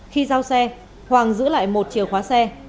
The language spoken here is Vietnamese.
khi giao xe hoàng giữ lại một chìa khóa xe